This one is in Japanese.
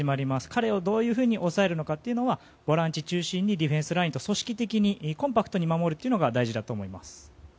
彼をどういうふうに抑えるのかはボランチ中心にディフェンスラインと組織的にコンパクトに守ることが大事だと思います。